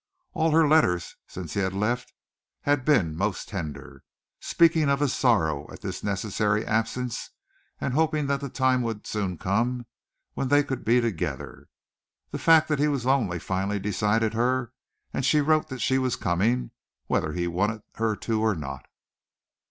All her letters since he had left had been most tender, speaking of his sorrow at this necessary absence and hoping that the time would soon come when they could be together. The fact that he was lonely finally decided her and she wrote that she was coming whether he wanted her to or not.